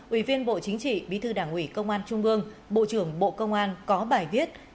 ủy viên bộ chính trị bí thư đảng ủy công an trung ương bộ trưởng bộ công an có bài viết